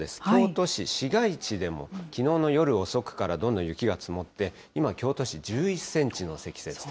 京都市市街地でも、きのうの夜遅くからどんどん雪が積もって、今、京都市１１センチの積雪。